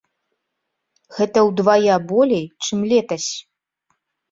Гэта ўдвая болей, чым летась.